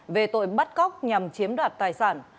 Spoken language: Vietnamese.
về tội bắt cóc nhằm chiếm đoạt tài sản